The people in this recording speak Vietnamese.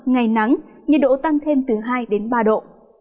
ngày nắng nhiệt độ tăng thêm từ hai đến ba độ